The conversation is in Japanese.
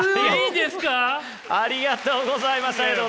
ありがとうございます。